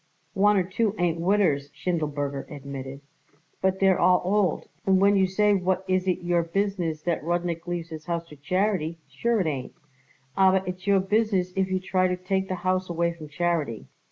"One or two ain't widders," Schindelberger admitted, "but they're all old, and when you say what is it your business that Rudnik leaves his house to charity, sure it ain't. Aber it's your business if you try to take the house away from charity.